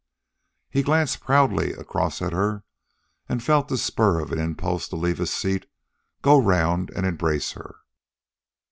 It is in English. He glanced proudly across at her, and felt the spur of an impulse to leave his seat, go around, and embrace her.